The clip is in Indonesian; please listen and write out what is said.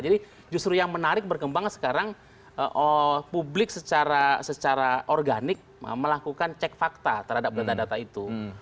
jadi justru yang menarik berkembang sekarang publik secara organik melakukan check fakta terhadap data data itu